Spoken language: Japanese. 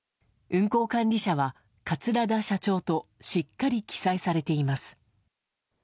運航管理者は桂田社長としっかり記載されています。